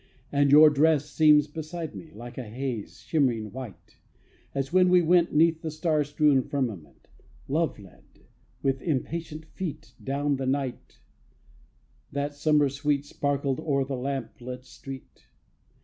And your dress Seems beside me, like a haze Shimmering white; as when we went 'Neath the star strewn firmament, Love led, with impatient feet Down the night that, summer sweet, Sparkled o'er the lamp lit street.